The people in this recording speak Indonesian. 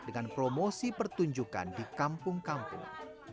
dengan promosi pertunjukan di kampung kampung